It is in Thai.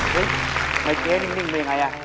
เฮ้ยไอ้เจ๊นิ่งเป็นไงล่ะ